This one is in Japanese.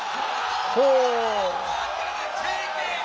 ほう。